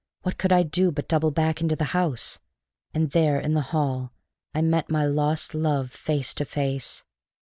What could I do but double back into the house? And there in the hall I met my lost love face to face.